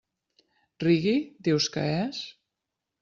Reggae, dius que és?